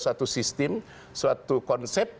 suatu sistem suatu konsep